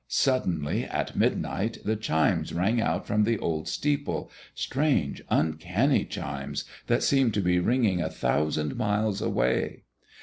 Suddenly at midnight the chimes rang out from the old steeple, strange, uncanny chimes, that seemed to be ringing a thousand miles away.